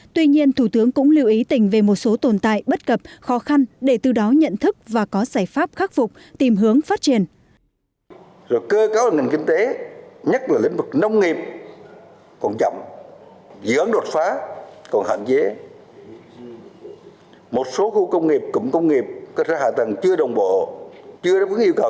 tuy nhiên thủ tướng cũng lưu ý tỉnh về một số tồn tại bất cập khó khăn để từ đó nhận thức và có giải pháp khắc phục tìm hướng phát triển